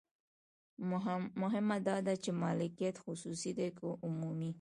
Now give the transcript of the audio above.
مهمه دا ده چې مالکیت خصوصي دی که عمومي.